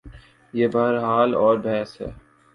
یہ بہرحال اور بحث ہے۔